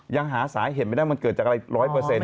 ยังหาสายเห็นไปยังว่ามันเกิดจากอะไรหล้อยเปอร์เซ็นต์